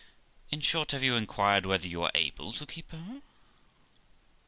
In short, have you inquired whether you are able to keep her?